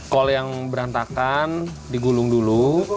kol yang berantakan digulung dulu